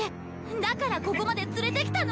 だからここまで連れてきたの。